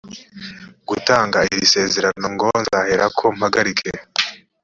gutanga iri sezerano ngo nzaherako mpagarike